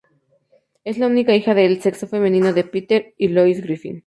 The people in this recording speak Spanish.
Es la única hija de sexo femenino de Peter y Lois Griffin.